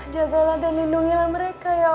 jagalah dan lindungilah mereka ya